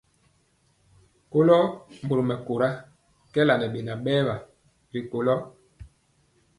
Kɔlo mori mɛkóra kɛɛla ŋɛ beŋa berwa ri kula.